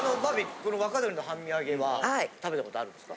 この若鶏の半身揚げは食べた事あるんですか？